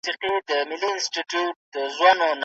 نړيوال تجارب په کار واچوئ.